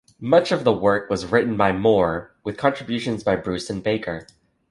Much of the work was written by Moore with contributions by Bruce and Baker.